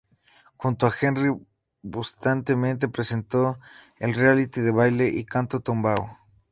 Junto a Henry Bustamante, presentó el reality de baile y canto, "Tumbao".